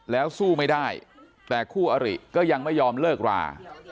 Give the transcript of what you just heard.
แล้วสู้ไม่ได้แต่คู่อริก็ยังไม่ยอมเลิกรา